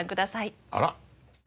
あら！